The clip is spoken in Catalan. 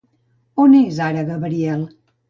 On és ara Gabriel?